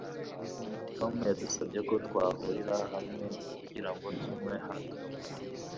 Tom yadusabye ko twahurira hamwe kugirango tunywe nyuma.